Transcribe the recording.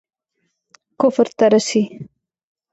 کفر ته رسي.